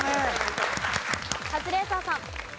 カズレーザーさん。